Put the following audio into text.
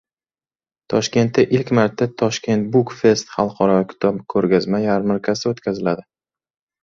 Toshkentda ilk marta «Tashkent Book Fest» xalqaro kitob-ko‘rgazma yarmarkasi o‘tkaziladi